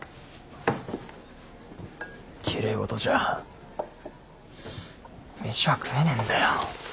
きれい事じゃ飯は食えねえんだよ。